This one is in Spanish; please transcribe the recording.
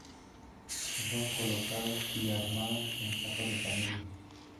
Y son colocadas y armadas en casa de familias.